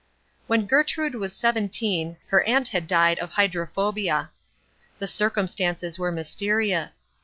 When Gertrude was seventeen her aunt had died of hydrophobia. The circumstances were mysterious.